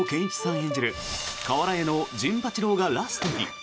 演じる瓦屋の陣八郎がラストに。